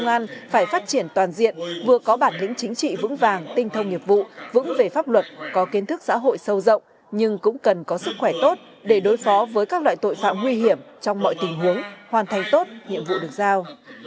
công an phải phát triển toàn diện vừa có bản lĩnh chính trị vững vàng tinh thông nghiệp vụ vững về pháp luật có kiến thức xã hội sâu rộng nhưng cũng cần có sức khỏe tốt để đối phó với các loại tội phạm nguy hiểm trong mọi tình huống hoàn thành tốt nhiệm vụ được giao